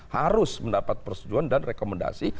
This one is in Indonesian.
harus mendapat persetujuan dan rekomendasi